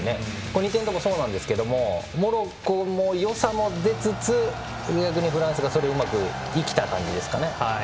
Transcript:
２点目もそうなんですけどモロッコの良さも出つつ逆にフランスがそれをうまく生かした感じですかね。